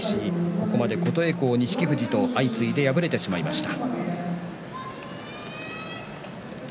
ここまで琴恵光、錦富士と相次いで敗れてしまいました。